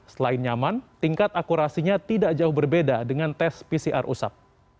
selain nyaman tingkat akurasinya tidak jauh berbeda dengan tes pcr usap